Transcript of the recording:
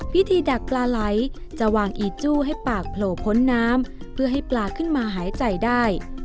ดักปลาไหลจะวางอีจู้ให้ปากโผล่พ้นน้ำเพื่อให้ปลาขึ้นมาหายใจได้